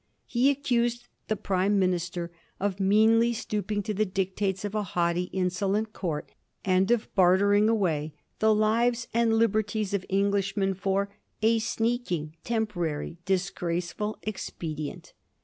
He accused the Prime minister of meanly stooping to the dictates of a haughty, insolent Court, and of bartering away the lives and liberties of Englishmen for '^ a sneaking, temporary, disgraceful expedient."